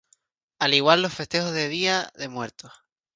Al igual los festejos de Día de muertos.